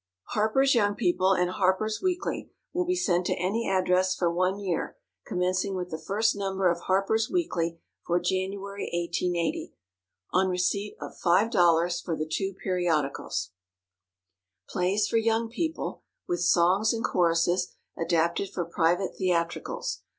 HARPER'S YOUNG PEOPLE and HARPER'S WEEKLY will be sent to any address for one year, commencing with the first Number of HARPER'S WEEKLY for January, 1880, on receipt of $5.00 for the two Periodicals. =PLAYS FOR YOUNG PEOPLE=, with Songs and Choruses, adapted for Private Theatricals.